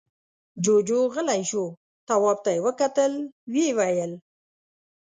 جُوجُو غلی شو، تواب ته يې وکتل، ويې ويل: